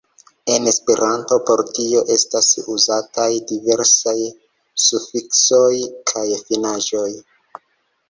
En Esperanto por tio estas uzataj diversaj sufiksoj kaj finaĵoj.